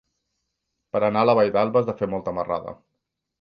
Per anar a la Vall d'Alba has de fer molta marrada.